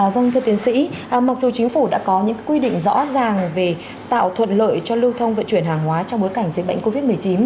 vâng thưa tiến sĩ mặc dù chính phủ đã có những quy định rõ ràng về tạo thuận lợi cho lưu thông vận chuyển hàng hóa trong bối cảnh dịch bệnh covid một mươi chín